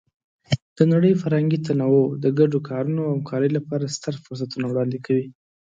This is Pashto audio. د نړۍ فرهنګي تنوع د ګډو کارونو او همکارۍ لپاره ستر فرصتونه وړاندې کوي.